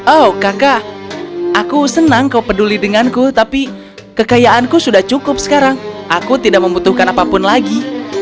oh kakak aku senang kau peduli denganku tapi kekayaanku sudah cukup sekarang aku tidak membutuhkan apapun lagi